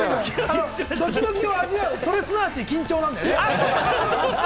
ドキドキを味わう、それ、すなわち緊張なんだね。